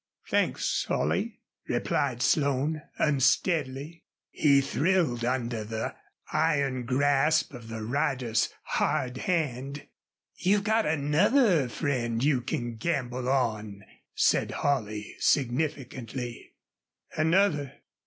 "Thanks Holley," replied Slone, unsteadily. He thrilled under the iron grasp of the rider's hard hand. "You've got another friend you can gamble on," said Holley, significantly. "Another!